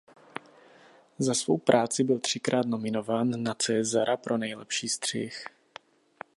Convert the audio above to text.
Za svou práci byl třikrát nominován na Césara pro nejlepší střih.